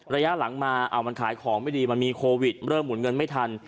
ระยะหลังมามันขายของไม่ดีมันมีโควิดเริ่มหุ่นเงินไม่ทัน